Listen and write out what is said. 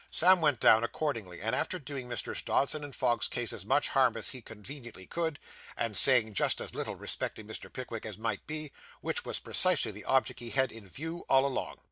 Sam went down accordingly, after doing Messrs. Dodson & Fogg's case as much harm as he conveniently could, and saying just as little respecting Mr. Pickwick as might be, which was precisely the object he had had in view all along.